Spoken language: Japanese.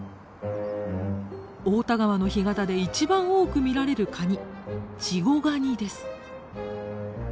太田川の干潟でいちばん多く見られるカニ